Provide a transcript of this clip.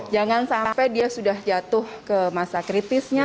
jangan sampai dia sudah jatuh ke masa kritisnya